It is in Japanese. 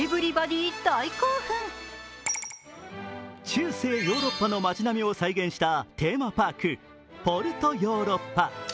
中世ヨーロッパの街並みを再現したテーマパーク、ポルトヨーロッパ。